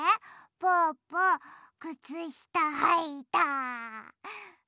ぽぅぽくつしたはいた！